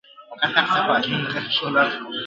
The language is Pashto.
نور یې هیري کړې نارې د ګوروانانو ..